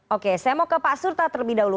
oke saya mau ke pak surta terlebih dahulu